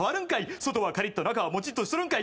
外はカリッと中はモチッとしとるんかい！